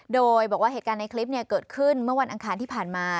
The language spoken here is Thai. โดยบอกว่าเหตุการณ์ในคลิปเกิดขึ้นเมื่อวันอังคารที่ผ่านมา